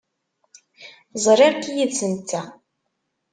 Ẓriɣ-k yid-s netta.